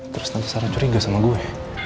terus nanti sarah curiga sama gue